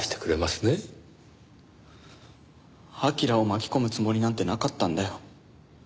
彬を巻き込むつもりなんてなかったんだよ。